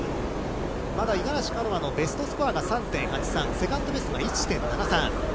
まだ五十嵐カノアのベストスコアが３．８３、セカンドベストが１．７３。